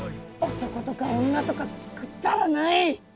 男とか女とかくだらない！